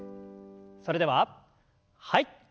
それでははい。